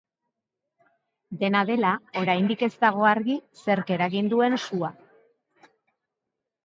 Dena dela, oraindik ez dago argi zerk eragin duen sua.